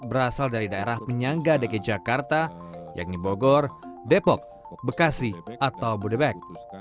berasal dari daerah penyangga dki jakarta yakni bogor depok bekasi atau bodebek